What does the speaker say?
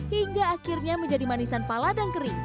hingga akhirnya menjadi manisan pala dan kering